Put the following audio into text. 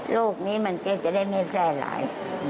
โรคนี้มันก็จะได้ไม่แพร่หลาย